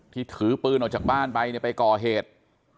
ถือปืนออกจากบ้านไปเนี่ยไปก่อเหตุ